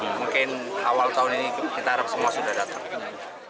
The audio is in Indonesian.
mungkin awal tahun ini kita harap semua sudah datang